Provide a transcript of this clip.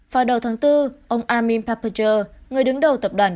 vào đầu tháng bốn ông armin papager người đứng đầu tập đoàn